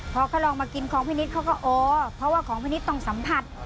พอเขาลองมากินของพี่นิดเขาก็โอ้เพราะว่าของพี่นิดต้องสัมผัส